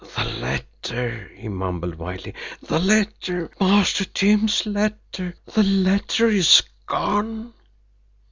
"The letter!" he mumbled wildly. "The letter Master Jim's letter the letter it's GONE!"